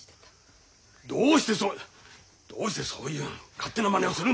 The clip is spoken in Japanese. どうしてそどうしてそういう勝手なまねをするんだ。